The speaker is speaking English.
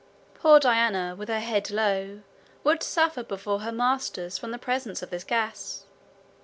Poor Diana, with her head low, would suffer before her masters from the presence of this gas.